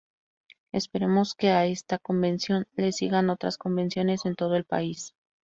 Esperamos que a esta Convención le sigan otras convenciones en todo el país.